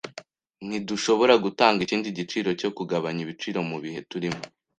Ntidushobora gutanga ikindi giciro cyo kugabanya ibiciro mubihe turimo.